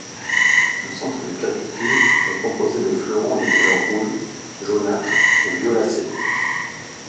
Le centre du capitule est composé de fleurons de couleur rouge, jaunâtre ou violacée.